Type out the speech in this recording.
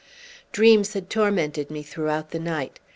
Dreams had tormented me throughout the night.